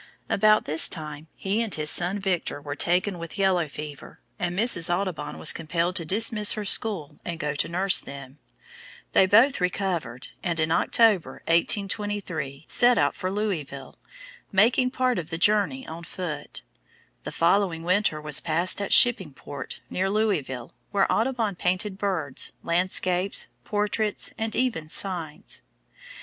About this time he and his son Victor were taken with yellow fever, and Mrs. Audubon was compelled to dismiss her school and go to nurse them. They both recovered, and, in October (1823), set out for Louisville, making part of the journey on foot. The following winter was passed at Shipping Port, near Louisville, where Audubon painted birds, landscapes, portraits and even signs.